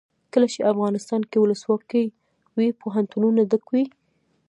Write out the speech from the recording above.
کله چې افغانستان کې ولسواکي وي پوهنتونونه ډک وي.